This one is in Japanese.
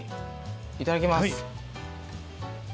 いただきます。